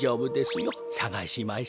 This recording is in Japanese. さがしましょう。